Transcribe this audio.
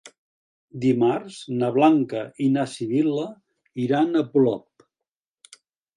Dimarts na Blanca i na Sibil·la iran a Polop.